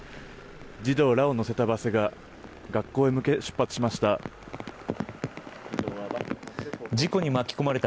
児童らを乗せたバスが学校へ向け出発しました。